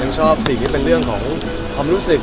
ชอบสิ่งที่เป็นเรื่องของความรู้สึก